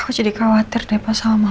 aku jadi khawatir dari pasal mama